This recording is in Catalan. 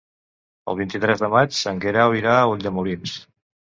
El vint-i-tres de maig en Guerau irà a Ulldemolins.